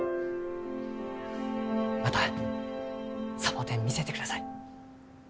またサボテン見せてください。